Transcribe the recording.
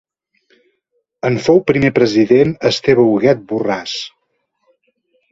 En fou primer president Esteve Huguet Borràs.